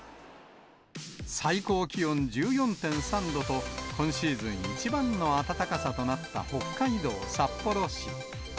最高気温１４．３度と、今シーズン一番の暖かさとなった北海道札幌市。